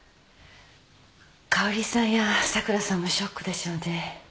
香織さんや桜さんもショックでしょうね。